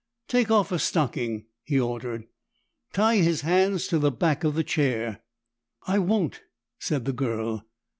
"Take off a stocking," he ordered. "Tie his hands to the back of the chair." "I won't!" said the girl.